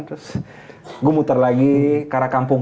terus gue muter lagi ke arah kampung